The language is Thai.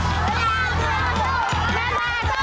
เมดาโซโซ